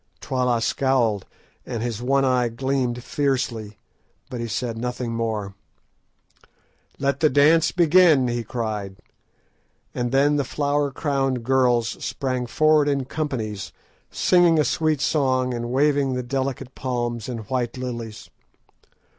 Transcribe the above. Twala scowled, and his one eye gleamed fiercely, but he said nothing more. "Let the dance begin," he cried, and then the flower crowned girls sprang forward in companies, singing a sweet song and waving the delicate palms and white lilies.